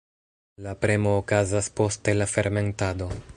La premo okazas poste la fermentado.